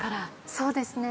そうですね。